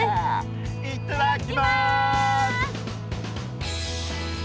いっただきます！